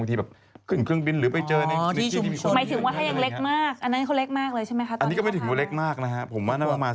ส่วนหนึ่งว่าพยายามอย่าพาเด็กที่แบบว่า